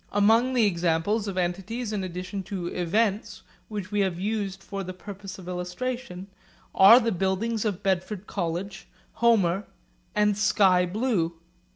Among the examples of entities in addition to 'events' which we have used for the purpose of illustration are the buildings of Bedford College, Homer, and sky blue.